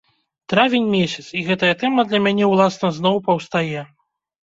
Травень месяц, і гэтая тэма для мяне ўласна зноў паўстае.